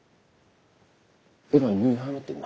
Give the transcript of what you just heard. えらい入院早なってんな。